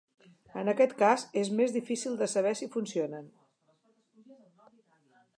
En aquest cas és més difícil de saber si funcionen.